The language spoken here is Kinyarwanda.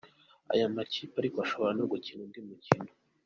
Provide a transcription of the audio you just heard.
Aya makipe ariko ashobora no gukina undi mukino .